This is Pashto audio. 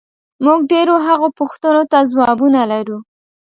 موږ ډېرو هغو پوښتنو ته ځوابونه لرو،